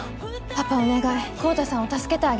パパお願い昂太さんを助けてあげて。